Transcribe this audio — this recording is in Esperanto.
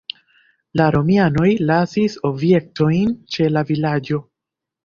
La romianoj lasis objektojn ĉe la vilaĝo.